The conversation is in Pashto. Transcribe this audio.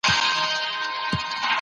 هغه حاکمان چي دا کار کوي ډېر دي.